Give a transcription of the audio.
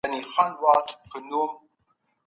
د کندهار په کلتور کي د ملي اتلانو یادونه څنګه کيږي؟